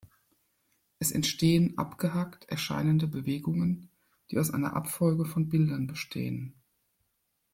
Es entstehen abgehackt erscheinende Bewegungen, die aus einer Abfolge von Bildern bestehen.